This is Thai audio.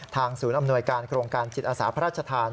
ศูนย์อำนวยการโครงการจิตอาสาพระราชทาน